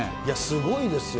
すごいですよ。